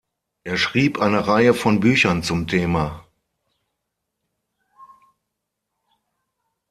Er schrieb eine Reihe von Büchern zum Thema.